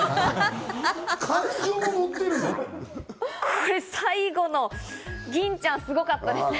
これ最後の銀ちゃん、すごかったですね。